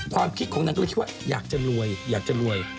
ความคิดของนางก็คิดว่าอยากจะรวยอยากจะรวย